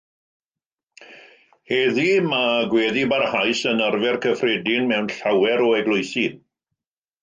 Heddiw, mae gweddi barhaus yn arfer cyffredin mewn llawer o eglwysi.